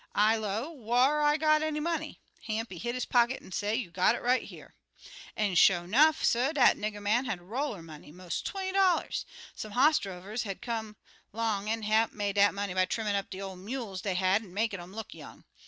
I low, 'Whar I got any money?' Hamp he hit his pocket an' say, 'You got it right here.' "An' sho' 'nuff, suh, dat nigger man had a roll er money mos' twenty dollars. Some hoss drovers had come long an' Hamp made dat money by trimmin' up de ol' mules dey had an' makin' um look young.